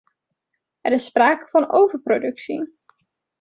Er is sprake van overproductie.